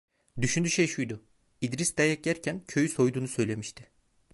Düşündüğü şey şuydu: İdris dayak yerken, köyü soyduğunu söylemişti.